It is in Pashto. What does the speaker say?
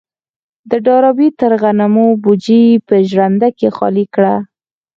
د ډاربي تره د غنمو بوجۍ په ژرنده کې خالي کړه.